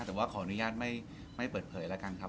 แต่ว่าขออนุญาตไม่เปิดเผยนะครับ